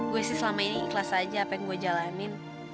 gue sih selama ini ikhlas aja apa yang gue jalanin